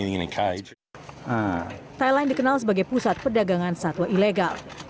thailand dikenal sebagai pusat perdagangan satwa ilegal